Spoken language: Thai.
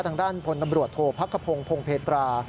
ทางด้านพลตำรวจโทษพักขพงศพงเพตรา